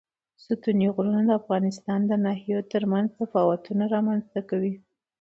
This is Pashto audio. ستوني غرونه د افغانستان د ناحیو ترمنځ تفاوتونه رامنځ ته کوي.